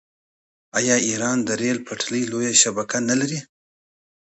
آیا ایران د ریل پټلۍ لویه شبکه نلري؟